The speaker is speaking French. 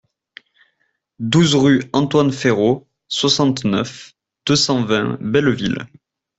douze rue Antoine Ferraud, soixante-neuf, deux cent vingt, Belleville